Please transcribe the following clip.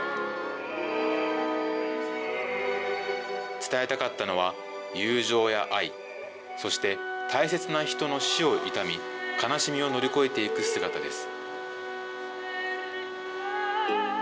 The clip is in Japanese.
伝えたかったのは、友情や愛、そして大切な人の死を悼み、悲しみを乗り越えていく姿です。